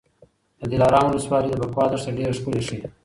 د دلارام ولسوالي د بکواه دښته ډېره ښکلې ښیي.